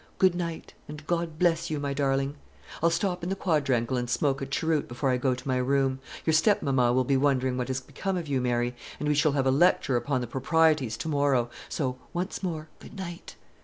Good night, and God bless you, my darling! I'll stop in the quadrangle and smoke a cheroot before I go to my room. Your stepmamma will be wondering what has become of you, Mary, and we shall have a lecture upon the proprieties to morrow; so, once more, good night."